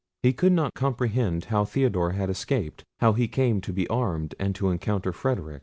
He could not comprehend how Theodore had escaped, how he came to be armed, and to encounter Frederic.